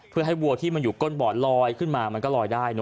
เพื่อให้วัวที่มันอยู่ก้นบ่อลอยขึ้นมามันก็ลอยได้